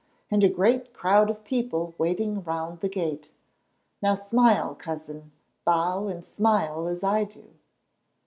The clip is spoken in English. —and a great crowd of people waiting round the gate. Now smile, Cousin. Bow and smile as I do."